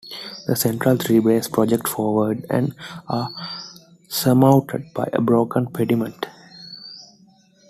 The central three bays project forward and are surmounted by a broken pediment.